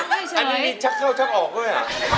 อันนี้มีชักเข้าชักออกด้วย